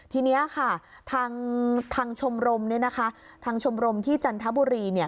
ทีนี้ค่ะทางชมรมที่จันทบุรี